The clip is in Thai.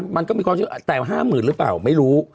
มันก็มีความเชื่อแต่ว่าห้าหมื่นหรือเปล่าไม่รู้